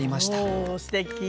おおすてき。